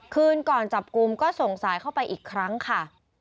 คืนก่อนจับกลุ่มก็ส่งสายเข้าไปอีกครั้งค่ะ